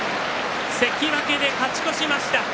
関脇で勝ち越しました。